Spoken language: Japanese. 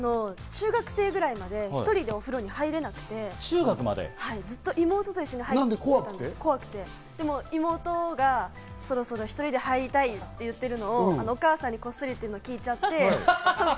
中学生ぐらいまで１人でお風呂に入れなくて、ずっと妹と一緒に入ってて、怖くて、でも妹がそろそろ１人で入りたいって言ってるのをお母さんにこっそり聞いちゃって。